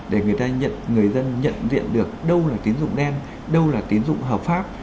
để người dân nhận diện được đâu là tín dụng đen đâu là tín dụng hợp pháp